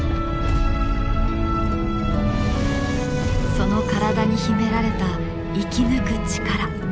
その体に秘められた生き抜く力。